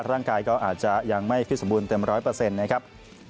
ร่างกายก็อาจจะยังไม่พิสมบูรณ์เต็ม๑๐๐นะครับ